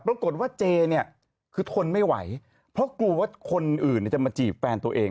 ปรากฏว่าเจเนี่ยคือทนไม่ไหวเพราะกลัวว่าคนอื่นจะมาจีบแฟนตัวเอง